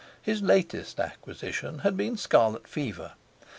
His latest acquisition had been scarlet fever.